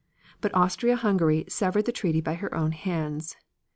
But Austria Hungary severed the treaty by her own hands.